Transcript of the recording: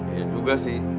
iya juga sih